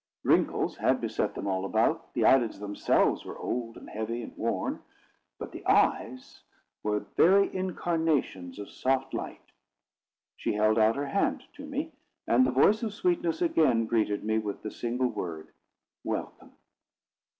Wrinkles had beset them all about; the eyelids themselves were old, and heavy, and worn; but the eyes were very incarnations of soft light. She held out her hand to me, and the voice of sweetness again greeted me, with the single word, "Welcome."